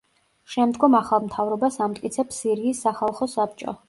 შემდგომ ახალ მთავრობას ამტკიცებს სირიის სახალხო საბჭო.